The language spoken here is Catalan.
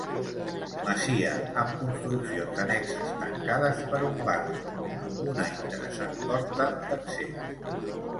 Masia amb construccions annexes tancades per un barri, amb una interessant porta d'accés.